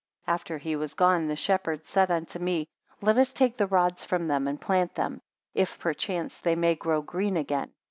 16 After he was gone, the shepherd said unto me; Let us take the rods from them, and plant them; if perchance they may grow green again.